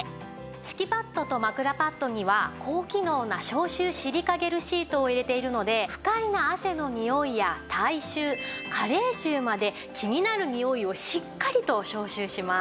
敷きパッドと枕パッドには高機能な消臭シリカゲルシートを入れているので不快な汗のにおいや体臭加齢臭まで気になるにおいをしっかりと消臭します。